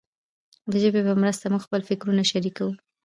د ژبې په مرسته موږ خپل فکرونه شریکوو.